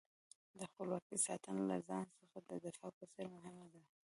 د خپلواکۍ ساتنه له ځان څخه د دفاع په څېر مهمه ده.